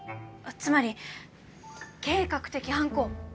つまり計画的犯行。